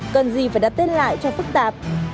cần gì phải đặt tên lại cho phức tạp